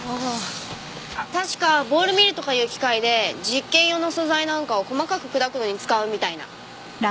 確かボールミルとかいう機械で実験用の素材なんかを細かく砕くのに使うみたいな。